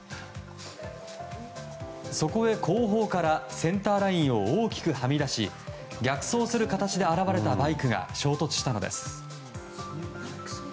そこへ後方からセンターラインを大きくはみ出し逆走する形で現れたバイクが衝突したのです。